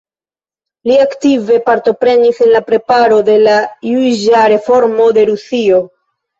Li aktive partoprenis en la preparo de la juĝa reformo de Rusio.